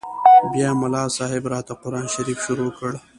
بيا ملا صاحب راته قران شريف شروع کړ.